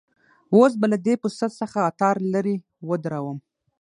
اوس به له دې پسه څه عطار لره وردرومم